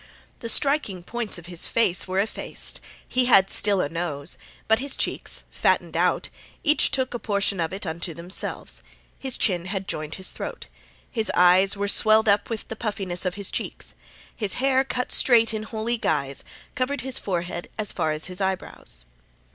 The striking points of his face were effaced; he had still a nose, but his cheeks, fattened out, each took a portion of it unto themselves; his chin had joined his throat; his eyes were swelled up with the puffiness of his cheeks; his hair, cut straight in holy guise, covered his forehead as far as his eyebrows.